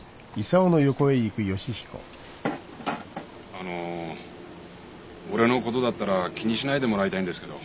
あの俺のことだったら気にしないでもらいたいんですけど。